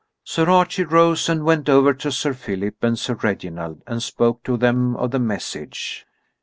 Sir Archie rose and went over to Sir Philip and Sir Reginald and spoke to them of the message.